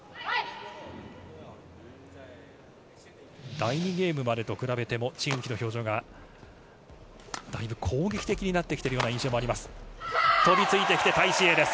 第２ゲームまでと比べてもチン・ウヒの表情が、だいぶ攻撃的になっているような印象もあります。